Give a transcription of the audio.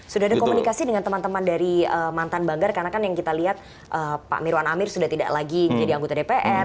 sudah ada komunikasi dengan teman teman dari mantan banggar karena kan yang kita lihat pak mirwan amir sudah tidak lagi jadi anggota dpr